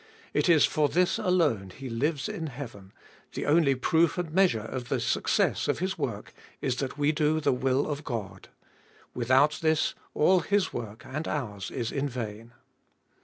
It is for this alone He lives in heaven : the only proof and measure of the success of His work is that we do the will of God. Without this, all His work and ours is in vain.